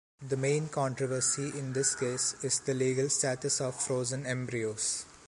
The main controversy in this case is the legal status of frozen embryos.